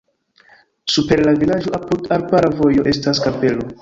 Super la vilaĝo apud arbara vojo estas kapelo.